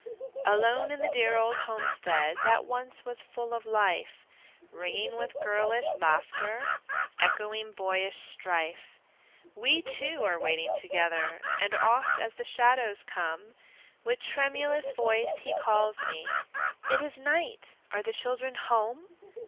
Alone in the dear old homestead That once was full of life, Ringing with girlish laughter, Echoing boyish strife, We two are waiting together; And oft, as the shadows come, With tremulous voice he calls me, "It is night! are the children home?"